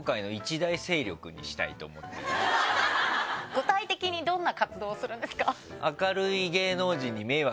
具体的にどんな活動をするんですか？